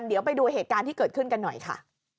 เดี๋ยวไปดูเหตุการณ์ที่เกิดขึ้นกันหน่อยค่ะ